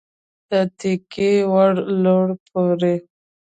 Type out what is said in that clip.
د تکیې وړ لوړ پوړی